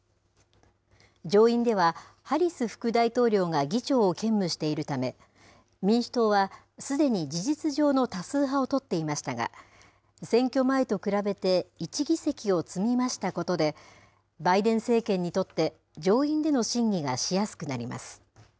上院では、ハリス副大統領が議長を兼務しているため、民主党はすでに事実上の多数派を取っていましたが、選挙前と比べて１議席を積み増したことで、バイデン政権にとって上院での審議がしやすくなります。